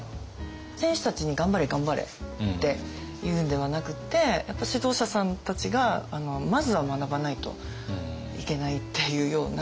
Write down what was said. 選手たちに「頑張れ頑張れ」って言うんではなくってやっぱ指導者さんたちがまずは学ばないといけないっていうような。